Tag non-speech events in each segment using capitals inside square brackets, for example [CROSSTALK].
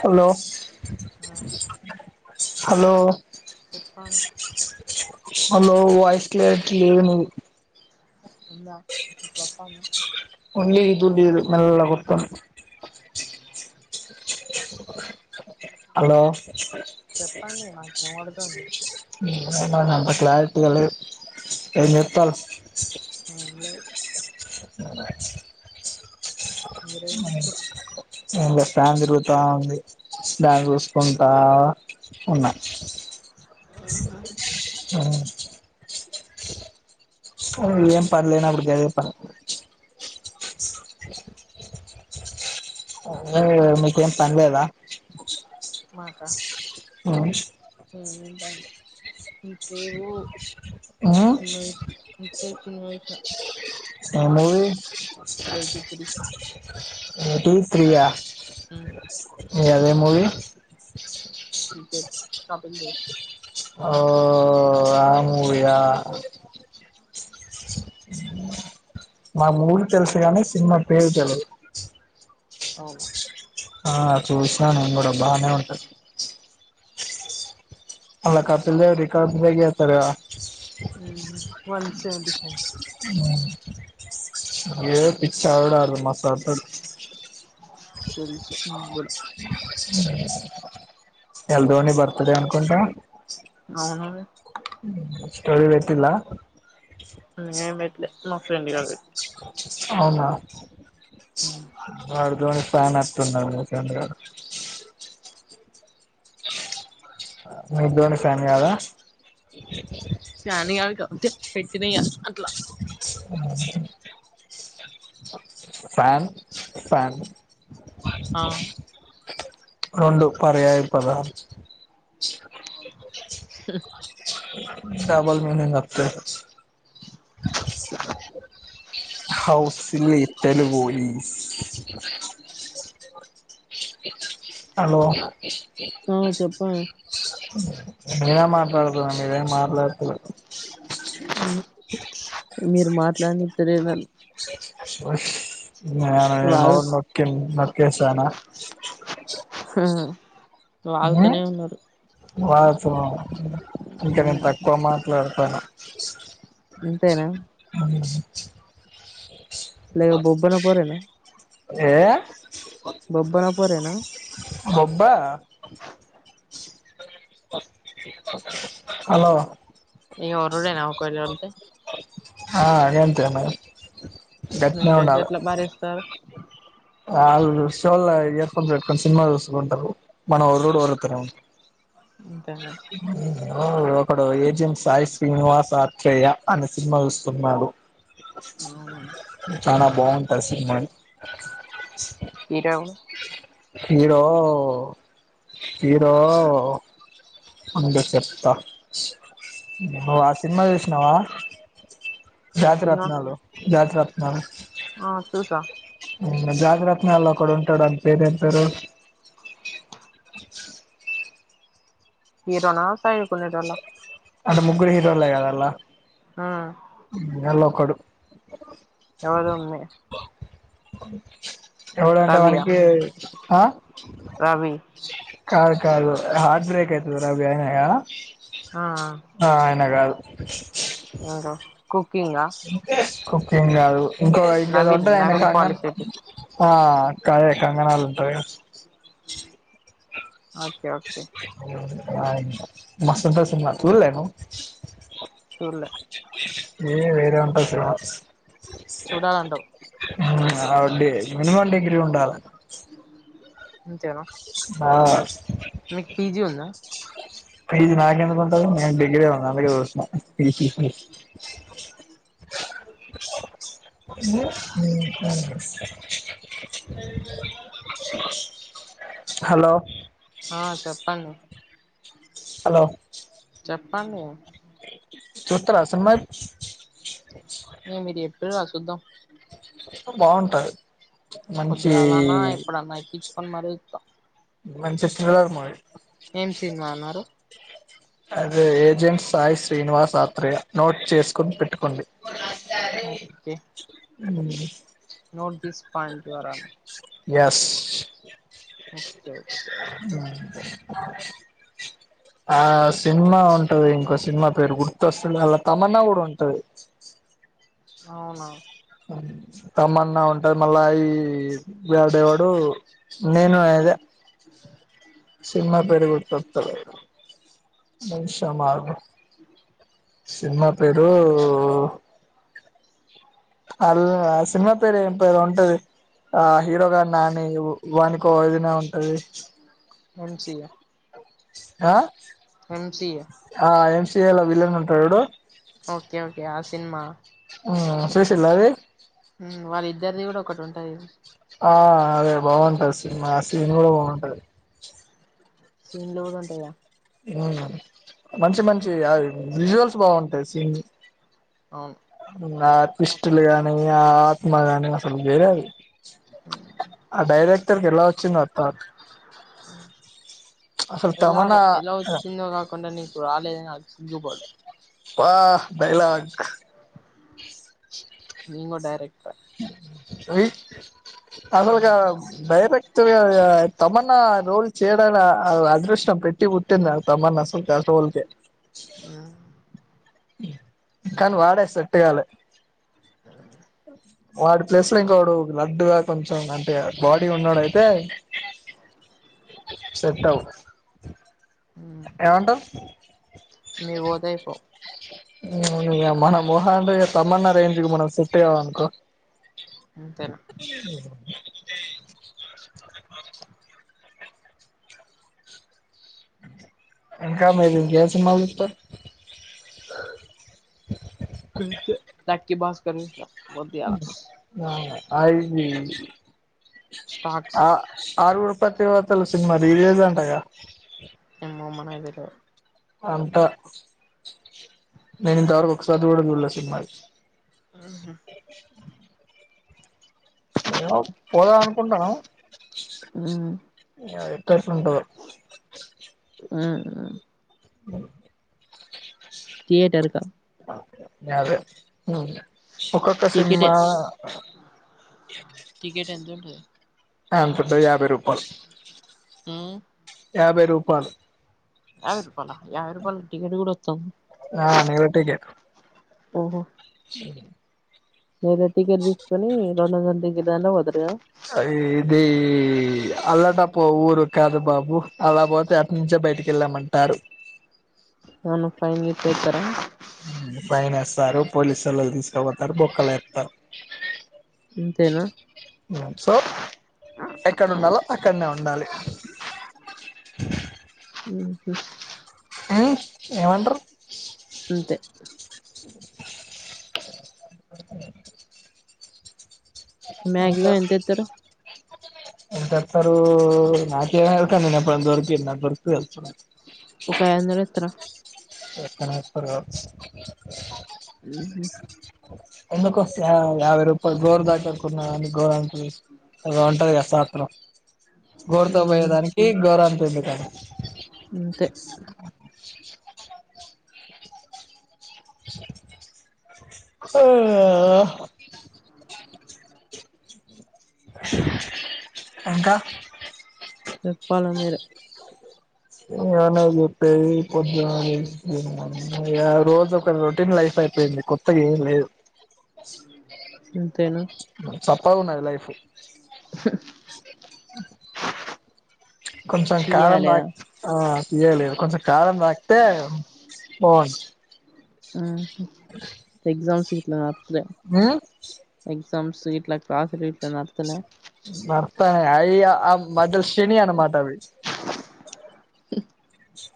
Hello! ఆ hello! చెప్పండి hello voice clarity లేదు. ఉన్న చెప్పన్న ఓన్లీ [UNINTELLIGIBLE] మెల్లగొత్త హలో! వస్తుంద్ చెప్పండి నాకు వినబడుతుంది కానీ అంత క్లారిటీగ లేద్ ఏం జేత్తాల్ హలో మనచ్ మీరేం మహేష్ చేస్తుర్రు ఇంకా ఫ్యాన్ తిరుగుతా ఉంది. ఫ్యాన్ చూసుకుంటా ఉన్నా, ఏం పని లేనప్పుడు, గదే పని అ మీకేం పనిలేదా మాకా ఆవు ఇ పండి ఇ సేవమాష [UNINTELLIGIBLE] ఇంతసేపు సినిమా చూశా ఎం మూవీ ఎయిటీ త్రీ ఏయిటీ త్రీయా ఉమ్ [UNINTELLIGIBLE] అదే మూవిీ క్రికెట్ కపిల్దేవ్ ఓహ్ ఆ మూవీయ ఆ మూవీ తెలుసు కానీ సినిమా పేరు తెల్వదు అవును ఆ చూసా నేను కూడా బానే ఉంటది. అలా కపిల్దేవరేకర్డ్ బ్రేక్ చేస్తాడు కదా వన్ సెవెంటీ ఫైవ్ ఏ పిచ్చ ఎడ మసాడు [UNINTELLIGIBLE] తెలుసు మంగూలో ఎల్లుండి నీ బర్తడే అనుకుంటా. అవును స్టోరీ పెట్టిలా నేనం పెట్టలే మా ఫ్రెండు గాడు పెట్టిండు అవునా ఆవు వాడులోని ఫ్యాన్ అట్న్నారు ముచంద్ర [UNINTELLIGIBLE] మీరు ధోని ఫ్యాన్ కాదా ఫ్యాన్ కనుక పెట్టినా ఇగ అట్లా అ ఫ్యాన్ ఫ్యాన్ ఆ రెండు పర్యాయ పదాలు చవల్ మీనే ప్పతే [UNINTELLIGIBLE] how silly Telugu is hello ఆ చెప్పండి నేనే మాట్లాడుతున్న మీరేం మాట్లాడతేలేదు మీరు మాట్లాడనిస్తాలేరు నన్ను నను నో వాగు నొ నొక్కేసనా [UNINTELLIGIBLE] హ హ్మ్మ్ [UNINTELLIGIBLE] వా ఇంకా, నేను తక్కువ మా లోపల ఇంతేనా [UNINTELLIGIBLE] లే బొబ్బన పోరేనా ఏ బొబ్బర పోరేనా ఒబ్బా హలో ఇ వరడే నావ కొంచెం ఉంటే హా అది ఏంత మా మీ ఫ్రెండ్స్ ఎట్లా భరిస్తావు వాళ్ళు షోల్లో ఇయర్ ఫోన్స్ పెట్టుకొని సినిమా చూసుకుంటరు మనం ఒర్రడు ఒర్రుతరేమో ఇంతేనా హో ఒకడు ఏజెంట్ సాయి శ్రీనివాస్ ఆత్రేయ అనే సినిమా చూస్తున్నాడు అవునా చాలా బాగుంటది సినిమా ఇడావు హీరో హీరో ఉండు చెప్తా ఓ ఆ సినిమా చేసినావా ఏం సినిమా జాతరత్నాలు జాతరత్న ఆ చూసా ఉ జాతిరత్నాల్లో ఒకడుంటాడు అని పేరు ఏం పేరు హీరో నా సైడ్ కి ఉండేటోళ్ల అంటే ముగ్గురు హీరోలే కదా అలా ఆ గలా ఒకడు ఎవరు ఉమ్మీ ఎవడంటే రవియా వానికి ఆ Ravi car car heart break అయితద రా యాడ ఆ ఎవరు కుకింగా కుకింగ్ కాదు ఇంకో ఇంకేదో నవీన్ ఉంటాయి ఆయన నవీన్ కాంగ పాలిశెట్టి హా కా కంగనాలు ఉంటది కదా ఉ మస్తు ఉంటది సినిమా చూడలేను చూలే ఏ వేరే ఉంటది సినిమా చూడాలంటావు ఆవడి మినిమం డిగ్రీ ఉండాల ఇంతేనా ఆ మీకు పీజీ ఉందా పీజీ నాకెందుకు ఉంటది నేను డిగ్రీ వాడిని అందుకె చూస్తున్న [UNINTELLIGIBLE] ఏంది [UNINTELLIGIBLE] [UNINTELLIGIBLE] హలో ఆ చెప్పండి హలో చెప్పండి చూత్తరా సినిమలు ఇగ మీరు చెప్పిండ్రు గా చూద్దాం బాగుంటది మంచి పొద్దుగలన్న ఎప్పుడన్న ఎక్కించుకొని మరి చూస్తా మంచి థ్రిల్లర్ మూవీ ఏం సినిమా అన్నారు అదే ఏజెంట్ సాయి శ్రీనివాస్ ఆత్రేయ నోట్ చేసుకోని పెట్టుకోండి okay um note this point your honour yes okay okay okay ఆ సినిమా ఉంటది ఇంకో సినిమా పేరు గుర్తొస్తుంది అలా తమన్నా కూడా ఉంటది అవున తమన్నా ఉంటాది మళ్ళా ఈ వేడేవాడు నేను అదే సినిమా పేరు గుర్తోత్తలేదు ఒక నిమిశం అగు సినిమా పేరు అ ఆ సినిమా పేరు ఏం పేరో ఉంటది ఆ హీరోగాడ్ నాని వాని కోదిన ఉంటది అంచిగ ఆ ఎంసీఏ ఆ ఎంసిఏలా విలన్ అంటాడు చూడు ఓకే ఓకే ఆ సినిమా ఆ సూసిళ్ళ అది మ్ వాళ్ళ ఇద్దరిది కూడా ఒకటి ఉంటది ఆ అదే బాగుంటది సినిమా ఆ సీన్ కూడా బాగుంటది సీన్ లు కూడా ఉంటాయా అవును మంచి మంచి అవి విజువల్స్ బాగుంటాయి సీన్ అవును ఆ ట్వీస్టులు గానీ ఆ ఆత్మగాని ఆసలు వేరే అది ఆ డైరెక్టర్కి ఎలా వచ్చిందో ఆ థౌట్ అసలు ఎలా తమన్నా ఎలా వచ్చిందో కాకుండా నీక్ రాలేద్ నాక్ సిగ్గుపడ్ ఆ డైలాగ్ నిన్ కూడ్ డైరెక్టర్ ఏయ్ అసల్ గా డైరెక్ట్ చేయాలా తమన్నా రోల్ చేయడానికి అదృష్టం పెట్టి పుట్టింది అ తమన్న అసల్కి ఆ రోల్కి మ్ కానీ వాడే సేట్టుగాలే వాడి ప్లేస్ లో ఇంకోకడు లడ్డుగా కొంచెం అంటే బాడీ ఉన్నోడయితే సేట్టవ్ ఎమంటవ్ మీరు పోతే అయిపోవు మ మొహం అంటే తమన్నా రేంజ్ కు మనం సేట్టుకామనుకో అంతేనా ఇంకా మీరింకేమి సినిమాలు చూస్తారు గంతే లక్కీ భాస్కర్ చూసిన వద్దు ఇయాల మ్మ్ అవునా అది స్టాక్స్ ఆ ఆరుగురు పతివ్రతలు సినిమా రీ రిలీజ్ అంటగా ఏమోమ్మ నాకు తెలిదు అంటా నేను ఇంతవరకు ఒకసారి కూడా చూడలే సినిమాని ఆహా ఏమో పోదాం అనుకుంటాను ఉమ్ అది ఎతేరిసి ఉంటాదో ఉమ్ థియేటర్ కా అదే ఆ ఒక్కొక్క టికెట్ సినిమా ఎంత టికెట్ ఎంతుంటది యంతుంటాది యాభై రూపాల్ అహ్ యాభై రూపాలు యాబై రూపాయలా యాభై రూపాయలకి టికెట్ కూడా వచద్దా ఆ ఓహో ఉమ్ వేరే టికెట్ తీసుకునీ రెండు గంటల టికెట్ దాంట్లోనే పోతారు కదా అది ఇది అల్లటప్ప ఊరు కాదు బాబు అలాపోతే నుంచే బయటికి ఎళ్ళామంటారు ఏమన్నా ఫైన్ గిట్ట ఎత్తారా ఉమ్ ఫైన్ ఎస్తారు పోలీసోళ్ళోళ్లు తీసుకపోతారు బొక్కల్లో ఎత్తారు అంతేనా ఉమ్ సో ఎక్కడ ఉండాలో అక్కడ్నే ఉండాలి మ్మ్ఉహ్మ్ ఏ ఏమంటారు అంతే [INAUDIBLE] మాక్సిమం ఎంతేత్తరు ఎంతేస్తారు నాకేమీ ఎరుక నేను ఎప్పుడన్నా దొరికిన్న దొరికితే తెలుస్తది ఒక ఐదు వందలు ఎత్తరా ఎక్కువనే ఏస్తారు కావచ్చు మ్మ్ఉమ్మ్ ఎందుకు యా యాభై రూపాల్ గోరు దాటకున్నా గోరం చేస్ ఏదో ఉంటది కదా శాస్రం గోరుతో ఉమ్ పోయేదానికి గోరంత ఎందుకని అంతే ఆ ఇంకా చెప్పాలా మీరే [INAUDIBLE] ఏమున్నాయి చెప్పేవి పొద్దున లేసి ఇగ రోజు ఒక రొటీన్ లైఫ్ అయి పోయింది కొత్తగా ఏం లేదు అంతేనా చప్పగా ఉన్నది లైఫ్, [INAUDIBLE] కొంచం కారం రా తీయాలేదా బట్ ఆ లే లేదు కొంచంకారం ఆక్తేను బాగున్ను. ఉహు అ [INAUDIBLE] ఎగ్జామ్స్ సిట్లు మారాస్తలే, మేను హు ఎగ్జామ్స్ వీట్లా క్లాస్లు వీట్లో నడుస్తున్నాయి. భర్తనే అయి ఆ మదల్ శనిఅన మతావి.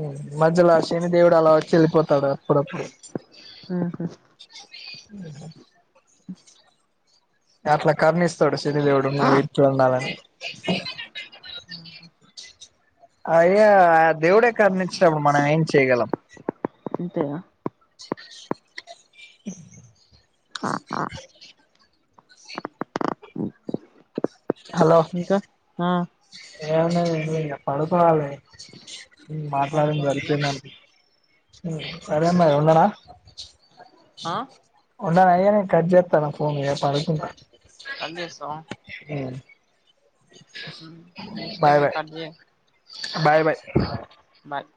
ఉ మధ్యలోఅ శని దేవుడు అలా వచ్చి వెళ్ళిపోతాడు అప్పుడప్పుడు, ఉహు [INAUDIBLE] అట్లా కరణిస్తాడు శని దేవుడు నువ్వు ఇర్చ ఉండాలని. అయ్యా దేవుడే కరణించినప్పుడు మనం ఏం చేయగలం. అంతేనా అ [INAUDIBLE] హలో ఇంకా ఆ ఏమున్నది ఏమిలేదు ఇక చెప్పాలి ఇగ పడుకోవాలి. మాట్లాడింది పడుకోవాలిగా సరిపోయిందనిక. ఆ ఉందన ఈగ నేను కట్ చేస్తున ఫోన్ పడుకుంట. కట్ చేస్తావా. హే ఆమ్ నీ ఇష్ట బాయ్ బాయ్ మీకట్ చేయ బాయ్ బాయ్ బాయ్